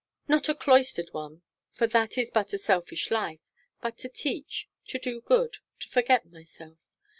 Not a cloistered one, for that is but a selfish life. But to teach, to do good, to forget myself.